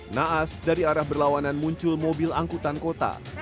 naas dari arah berlawanan muncul mobil angkutan kota